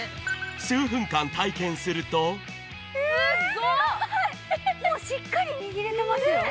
数分間体験すると手もしっかり握れてますよ。